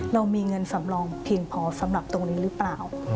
เรามีเงินสำรองเพียงพอสำหรับตรงนี้หรือเปล่า